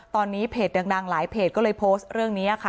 ตอนนี้เพจดังหลายเพจก็เลยโพสต์เรื่องนี้ค่ะ